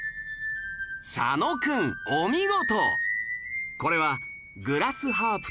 佐野君お見事！